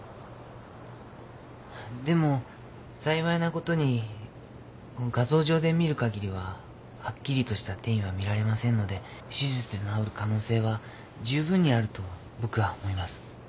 でも幸いなことにこの画像上で見るかぎりははっきりとした転移は見られませんので手術で治る可能性は十分にあると僕は思います。